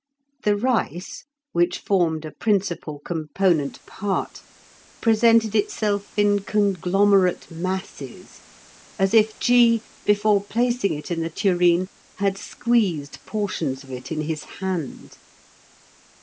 The rice, which formed a principal component part, presented itself in conglomerate masses, as if G., before placing it in the tureen, had squeezed portions of it in his hand.